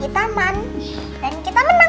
kita man dan kita menang